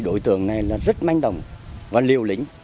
đội tượng này là rất manh đồng và liều lính